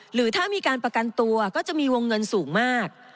หรือถ้ามีการประกันตัวก็จะมีวงเงินสูงมาก